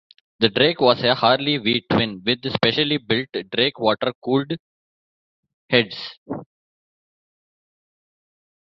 The Drake was a Harley V-twin with specially built Drake water cooled heads.